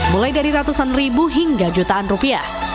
mulai dari ratusan ribu hingga jutaan rupiah